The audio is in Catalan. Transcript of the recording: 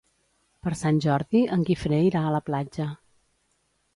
Per Sant Jordi en Guifré irà a la platja.